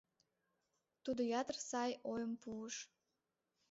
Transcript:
Тудо ятыр сай ойым пуыш.